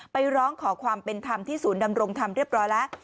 ไปร้องขอความเป็นธรรมที่ศูนย์ดำรงธรรมเรียบร้อยแล้ว